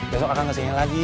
besok akan kesini lagi